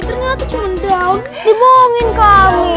ternyata cuma daun dibohongin kami